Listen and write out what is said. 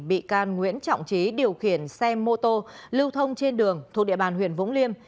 bị can nguyễn trọng trí điều khiển xe mô tô lưu thông trên đường thuộc địa bàn huyện vũng liêm